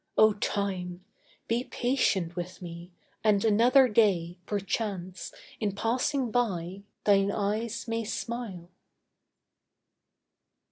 O Time, Be patient with me, and another day, Perchance, in passing by, thine eyes may smile.